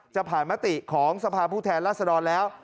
จะผ่านมติของสภาพผู้แทนรัศดรแล้ว